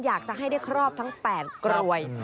อยากจะให้ได้ครอบทั้ง๘กรวย